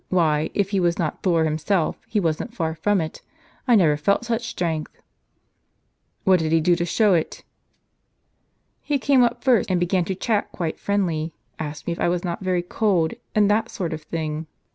Why, if he was not Thor himself, he wasn't far from it. I never felt such strength." " What did he do to show it? "" He came up first, and began to chat quite friendly, asked me if it was not very cold, and that sort of thing.